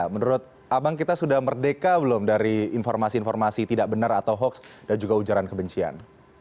menurut abang kita sudah merdeka belum dari informasi informasi tidak benar atau hoaks dan juga ujaran kebencian